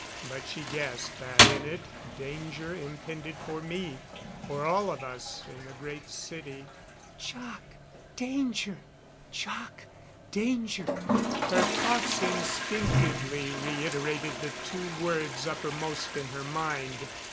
But she guessed that in it, danger impended for me for all of us in the Great City. "Jac! Danger! Jac! Danger!" Her thoughts instinctively reiterated the two words uppermost in her mind.